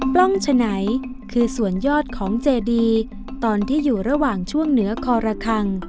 ล้องฉะไหนคือส่วนยอดของเจดีตอนที่อยู่ระหว่างช่วงเหนือคอระคัง